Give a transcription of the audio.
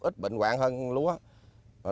ít bệnh hoạn hơn lúa